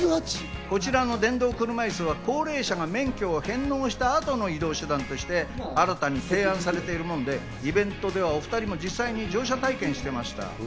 こちらの電動車椅子は、高齢者が免許を返納した後の移動手段として新たに提案されているもので、イベントではお２人も実際に乗車体験をしていました。